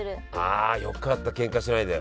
あよかったけんかしないで。